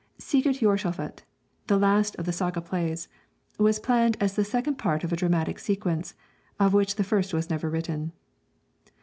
'Sigurd Jorsalfar,' the last of the saga plays, was planned as the second part of a dramatic sequence, of which the first was never written.